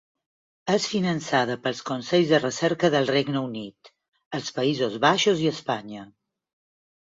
És finançada pels consells de recerca del Regne Unit, els Països Baixos i Espanya.